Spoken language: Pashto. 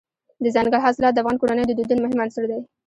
دځنګل حاصلات د افغان کورنیو د دودونو مهم عنصر دی.